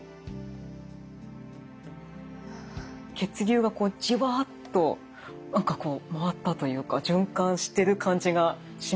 血流がこうじわっと何かこう回ったというか循環してる感じがします。